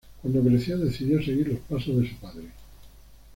Cuando creció decidió seguir los pasos de su padre.